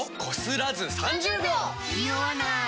ニオわない！